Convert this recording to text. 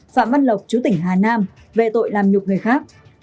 phạm văn lộc chú tỉnh hà nam về tội làm nhục người khác